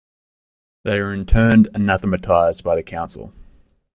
They in turn were anathematized by the Council.